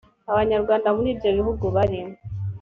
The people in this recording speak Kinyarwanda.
abanyarwanda muri ibyo bihugu barimo